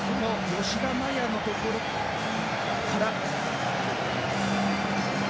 吉田麻也のところから。